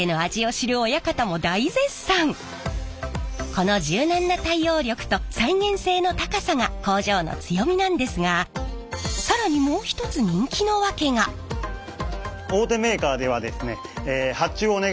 この柔軟な対応力と再現性の高さが工場の強みなんですが更にあお金かかるよねそれはね。